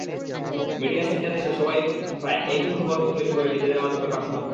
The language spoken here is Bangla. মিডিয়া সেন্টারে এসে সবাই প্রায় একই খবর তৈরি করে নিজেদের মাধ্যমে পাঠাতাম।